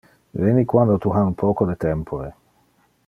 Veni quando tu ha un poco de tempore.